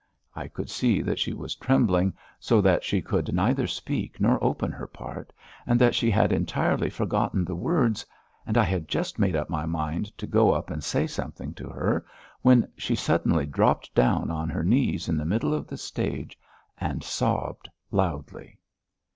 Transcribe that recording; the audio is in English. I could see that she was trembling so that she could neither speak nor open her part, and that she had entirely forgotten the words and I had just made up my mind to go up and say something to her when she suddenly dropped down on her knees in the middle of the stage and sobbed loudly.